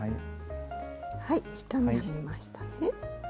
はい１目編めましたね。